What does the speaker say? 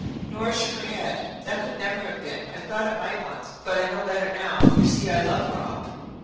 Nora shook her head. "That could never have been. I thought it might once but I know better now. You see, I love Rob."